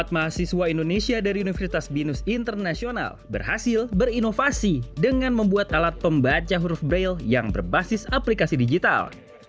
empat mahasiswa indonesia dari universitas binus internasional berhasil berinovasi dengan membuat alat pembaca huruf braille yang berbasis aplikasi digital